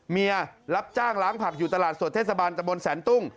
เมียรับจ้างล้างผักอยู่ตลาดสดเทศบาลตะบนแสนตุ้ง